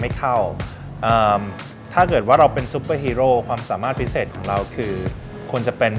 ไม่เข้าเอ่อถ้าเกิดว่าเราเป็นซุปเปอร์ฮีโร่ความสามารถพิเศษของเราคือควรจะเป็น